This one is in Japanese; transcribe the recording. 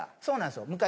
そうなんですよ。